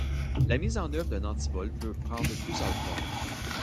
La mise en œuvre d'un antivol peut prendre plusieurs formes.